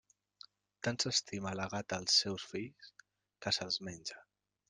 Tant s'estima la gata els seus fills, que se'ls menja.